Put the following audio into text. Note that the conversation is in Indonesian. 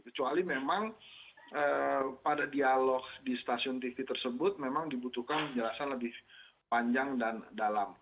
kecuali memang pada dialog di stasiun tv tersebut memang dibutuhkan penjelasan lebih panjang dan dalam